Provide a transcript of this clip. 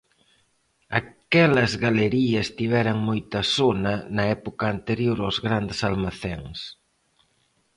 Aquelas galerías tiveran moita sona na época anterior ós grandes almacéns.